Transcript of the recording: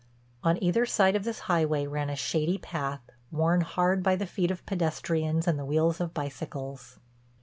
On either side of this highway ran a shady path, worn hard by the feet of pedestrians and the wheels of bicycles.